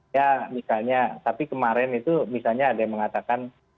ya misalnya tapi kemarin itu misalnya ada yang mengatakan